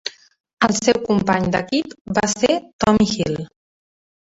El seu company d'equip va ser Tommy Hill.